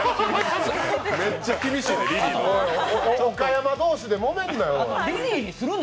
めっちゃ厳しいな。